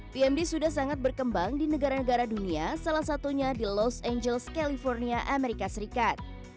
pmd sudah sangat berkembang di negara negara dunia salah satunya di los angeles california amerika serikat